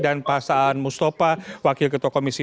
dan pak saan mustafa wakil ketua komisi